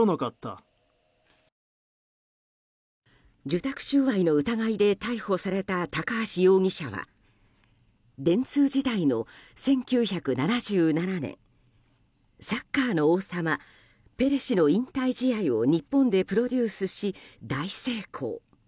受託収賄の疑いで逮捕された高橋容疑者は電通時代の１９７７年サッカーの王様ペレ氏の引退試合を日本でプロデュースし、大成功。